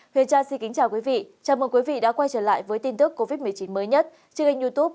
huyền trang xin kính chào quý vị chào mừng quý vị đã quay trở lại với tin tức covid một mươi chín mới nhất trên kênh youtube